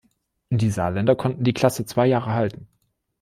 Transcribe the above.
Die Saarländer konnten die Klasse zwei Jahre halten.